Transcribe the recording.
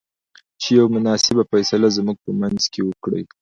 چې يوه مناسبه فيصله زموږ په منځ کې وکړۍ.